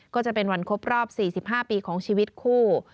ก็จะเป็นวันครบรอบ๔๕ปีของชีวิตคู่